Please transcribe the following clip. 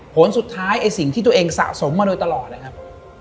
ผลสุดท้ายไอ้สิ่งที่ตัวเองสะสมมาโดยตลอดนะครับ